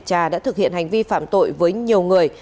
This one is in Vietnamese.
trà đã thực hiện hành vi phạm tội với nhiều người